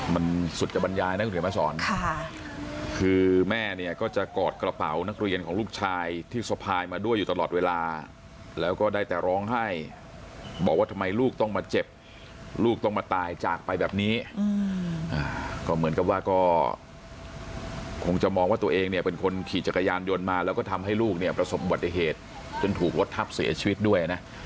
มันสุจบรรยายนะคุณเขียนมาสอนคือแม่เนี่ยก็จะกอดกระเป๋านักเรียนของลูกชายที่สะพายมาด้วยอยู่ตลอดเวลาแล้วก็ได้แต่ร้องไห้บอกว่าทำไมลูกต้องมาเจ็บลูกต้องมาตายจากไปแบบนี้ก็เหมือนกับว่าก็คงจะมองว่าตัวเองเนี่ยเป็นคนขี่จักรยานยนต์มาแล้วก็ทำให้ลูกเนี่ยประสบอุบัติเหตุจนถูกรถทับเสียชีวิตด้วยนะ